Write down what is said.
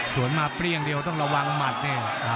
สวนมาเปรี้ยงเดียวต้องระวังหมัดเนี่ย